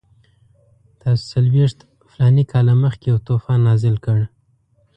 تاسو څلوېښت فلاني کاله مخکې یو طوفان نازل کړ.